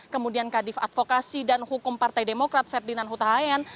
kemudian kadif advokasi dan hukum partai demokrat ferdinand hutahayan